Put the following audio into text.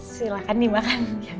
silahkan nih makan